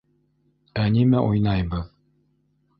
- Ә нимә уйнайбыҙ?